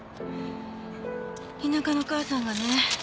田舎の母さんがね